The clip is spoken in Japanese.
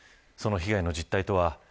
その被害の実態とは。